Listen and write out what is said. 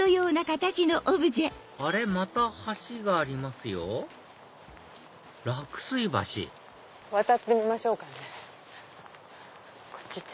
また橋がありますよ「楽水橋」渡ってみましょうかしら。